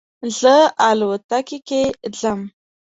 زه الوتکې کې ځم